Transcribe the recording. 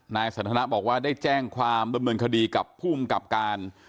นายสันทนาบอกว่าได้แจ้งความดำเนินคดีกับภูมิกับการ